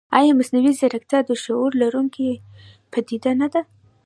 ایا مصنوعي ځیرکتیا د شعور لرونکې پدیده نه ده؟